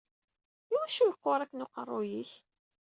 Iwacu yeqqur akken uqerruy-ik?